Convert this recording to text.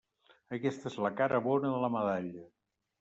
Aquesta és la cara bona de la medalla.